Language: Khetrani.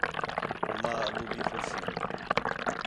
ماں، ابو بھی خوش ہین